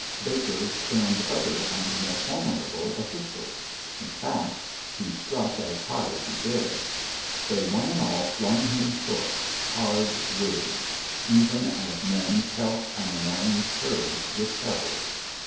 Baker stormed other and more formidable officials. In fact, he struck as high as he dared. They one and all flung him short, hard words, even as men pelt an annoying cur with pebbles.